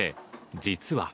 実は。